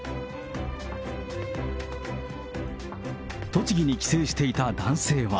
栃木に帰省していた男性は。